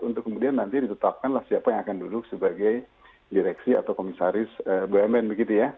untuk kemudian nanti ditetapkanlah siapa yang akan duduk sebagai direksi atau komisaris bumn begitu ya